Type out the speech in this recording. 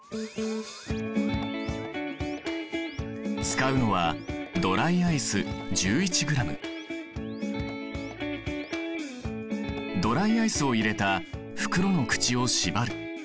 使うのはドライアイスを入れた袋の口を縛る。